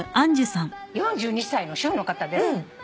４２歳の主婦の方です。